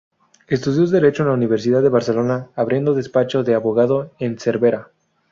Estudió Derecho en la Universidad de Barcelona, abriendo despacho de abogado en Cervera.